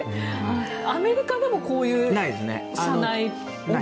アメリカでもこういう車内チャイム。